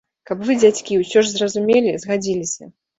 Каб вы, дзядзькі, усё ж зразумелі, згадзіліся.